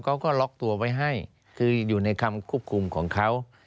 เขาก็ล็อกตัวไว้ให้คืออยู่ในคำควบคุมของเขา